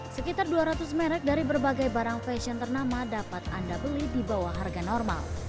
sekitar dua ratus merek dari berbagai barang fashion ternama dapat anda beli di bawah harga normal